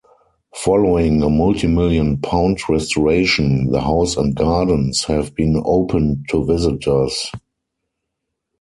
Following a multimillion-pound restoration, the house and gardens have been opened to visitors.